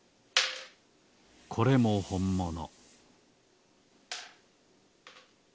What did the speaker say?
これもほんもの